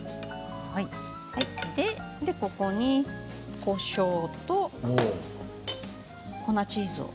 ここに、こしょうと粉チーズを。